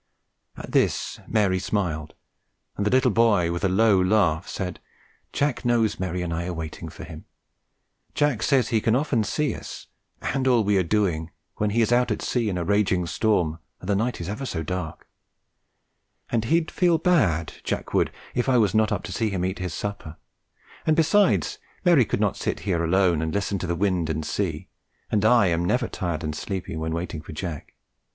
At this Mary smiled; and the little boy, with a low laugh, said: "Jack knows Mary and I are waiting for him. Jack says he can often see us, and all we are doing, when he is out at sea in a raging storm, and the night is ever so dark; and he'd feel bad, Jack would, if I was not up to see him eat his supper; and besides, Mary could not sit here alone and listen to the wind and sea, and I am never tired and sleepy when waiting for Jack.